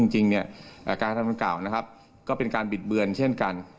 จริงการทำการเก่าเป็นการบิดเบือนเช่นกัน